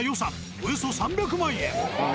およそ３００万円。